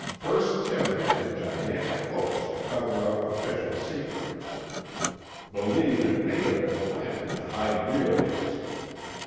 FIRST TIP HINTED GIGANTIC HOAX TO COVER UP OFFICIAL SECRET. BELIEVE IT MAY HAVE BEEN PLANTED TO HIDE REAL ANSWER.